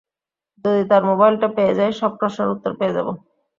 যদি তার মোবাইলটা পেয়ে যাই, সব প্রশ্নের উওর পেয়ে যাব।